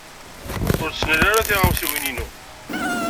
Ur ttnal ara tiɣawsiwin-inu!